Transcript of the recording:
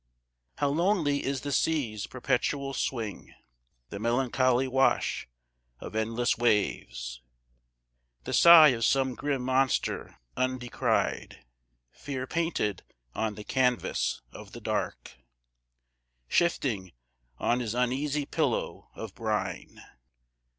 How lonely is the sea's perpetual swing, The melancholy wash of endless waves, The sigh of some grim monster undescried, Fear painted on the canvas of the dark, Shifting on his uneasy pillow of brine!